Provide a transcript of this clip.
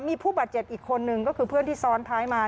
มีผู้บาดเจ็บอีกคนนึงก็คือเพื่อนที่ซ้อนท้ายมา